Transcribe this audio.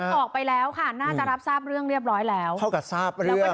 เดินออกไปแล้วค่ะน่าจะรับทราบเรื่องเรียบร้อยแล้ว